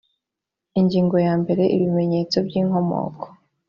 ingingo ya mbere ibimenyetso by inkomoko